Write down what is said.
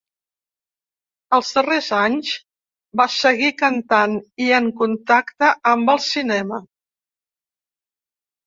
Els darrers anys va seguir cantant i en contacte amb el cinema.